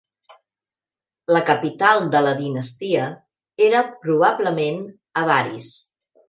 La capital de la dinastia era probablement Avaris.